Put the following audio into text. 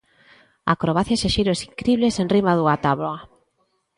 Acrobacias e xiros incribles enriba dunha táboa.